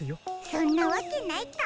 そんなわけないか。